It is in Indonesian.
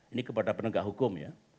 ini kepada penegak hukum ya